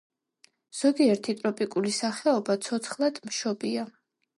ზოგიერთი ტროპიკული სახეობა ცოცხლადმშობია.